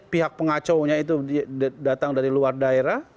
pihak pengacau nya itu datang dari luar daerah